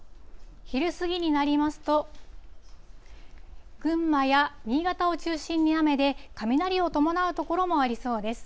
昼過ぎになりますと、群馬や新潟を中心に雨で、雷を伴う所もありそうです。